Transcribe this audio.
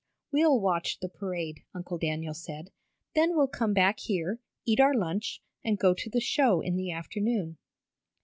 "We'll watch the parade," Uncle Daniel said. "Then we'll come back here, eat our lunch, and go to the show in the afternoon."